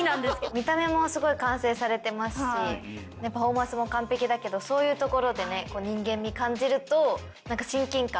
見た目もすごい完成されてますしパフォーマンスも完璧だけどそういうところでね人間味感じるとそうね。